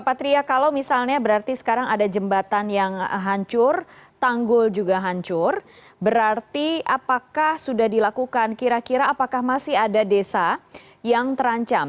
patria kalau misalnya berarti sekarang ada jembatan yang hancur tanggul juga hancur berarti apakah sudah dilakukan kira kira apakah masih ada desa yang terancam